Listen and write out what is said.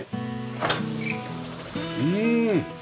うん。